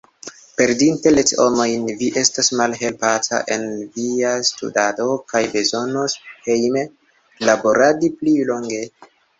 Perdinte lecionojn, vi estos malhelpata en via studado kaj bezonos hejme laboradi pli longe.